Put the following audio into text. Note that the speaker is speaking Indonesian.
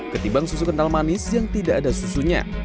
ketimbang susu kental manis yang tidak ada susunya